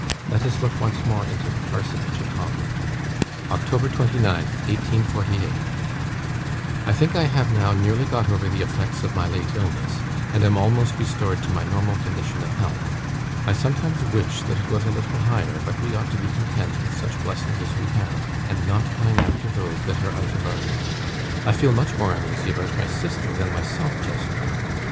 Let us look once more into the Parsonage at Haworth. "Oct. 29th, 1848. "I think I have now nearly got over the effects of my late illness, and am almost restored to my normal condition of health. I sometimes wish that it was a little higher, but we ought to be content with such blessings as we have, and not pine after those that are out of our reach. I feel much more uneasy about my sister than myself just now.